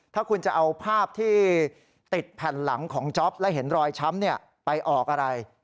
ถ้าคุณจะเอาภาพที่ติดแผ่นหลังของจ๊อปและเห็นรอยช้ำไปออกอะไร